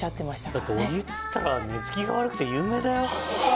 だって小木っつったら寝付きが悪くて有名だよ。